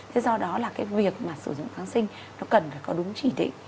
thế do đó là cái việc mà sử dụng kháng sinh nó cần phải có đúng chỉ định